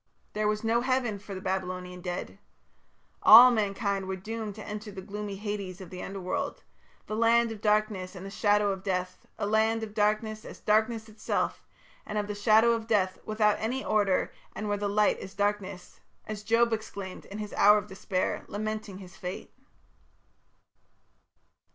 There was no Heaven for the Babylonian dead. All mankind were doomed to enter the gloomy Hades of the Underworld, "the land of darkness and the shadow of death; a land of darkness, as darkness itself; and of the shadow of death, without any order, and where the light is darkness", as Job exclaimed in the hour of despair, lamenting his fate.